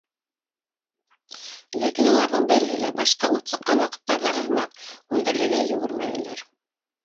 Ләкин уларҙың береһе лә, башҡа ут сыҡҡан ваҡыттарҙағы һымаҡ, һүндерергә йүгермәнеләр.